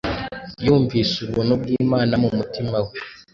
Yumvise ubuntu bw’Imana mu mutima we